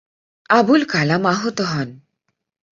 আবুল কালাম আহত হন।